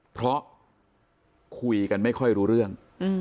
เพราะคุยกันไม่ค่อยรู้เรื่อง